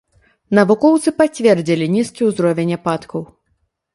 Навукоўцы пацвердзілі нізкі ўзровень ападкаў.